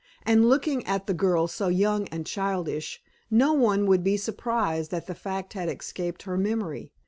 And looking at the girl so young and childish, no one would be surprised that the fact had escaped her memory.